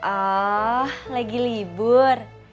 oh lagi libur